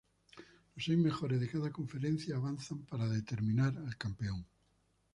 Los seis mejores de cada conferencia avanzan para determinar al campeón.